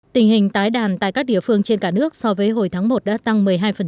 tình hình tái đàn tại các địa phương trên cả nước so với hồi tháng một đã tăng một mươi hai